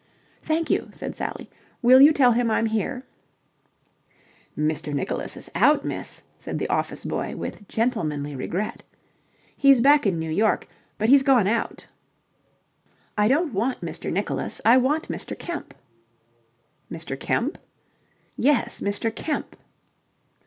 "Thank you," said Sally. "Will you tell him I'm here." "Mr. Nicholas is out, miss," said the office boy, with gentlemanly regret. "He's back in New York, but he's gone out." "I don't want Mr. Nicholas. I want Mr. Kemp." "Mr. Kemp?" "Yes, Mr. Kemp."